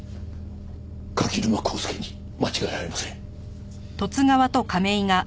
柿沼浩輔に間違いありません。